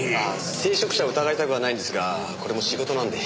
聖職者を疑いたくはないんですがこれも仕事なんで。